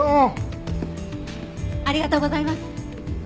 ありがとうございます。